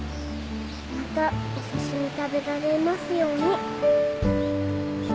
またお刺し身食べられますように。